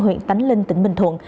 huyện tánh linh tỉnh bình thuận